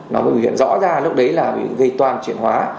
nó mới bị hiện rõ ra lúc đấy là bị gây toàn chuyển hóa